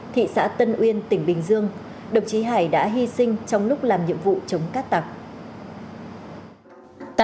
thị xã tân uyên tỉnh bình dương đồng chí hải đã hy sinh trong lúc làm nhiệm vụ chống cát tặc